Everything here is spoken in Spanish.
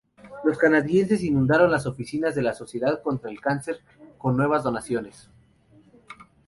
Los canadienses inundaron las oficinas de la Sociedad contra el Cáncer con nuevas donaciones.